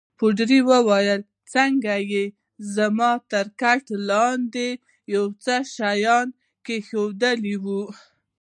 پادري وویل: څنګه يې؟ زما تر کټ لاندي يې یو څه شیان کښېښوول.